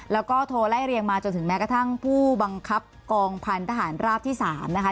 แล้วก็โทรไล่เรียงมาจนถึงแม้กระทั่งผู้บังคับกองพันธหารราบที่๓นะคะ